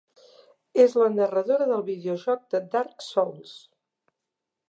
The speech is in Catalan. És la narradora del videojoc de Dark Souls.